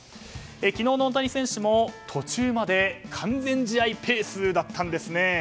昨日の大谷選手も途中まで完全試合ペースだったんです。